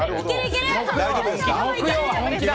大丈夫ですか。